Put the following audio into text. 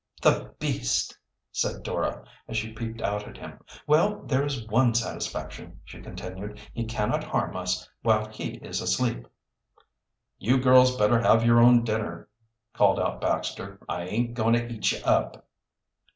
"The beast!" said Dora, as she peeped out at him. "Well, there is one satisfaction," she continued: "he cannot harm us while he is asleep." "You girls better have your own dinner," called out Baxter. "I aint going to eat you up."